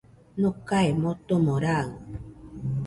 Nokae motomo raɨ,